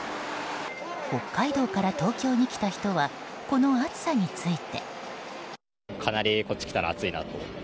北海道から東京に来た人はこの暑さについて。